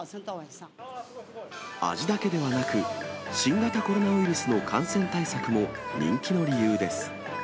味だけではなく、新型コロナウイルスの感染対策も人気の理由です。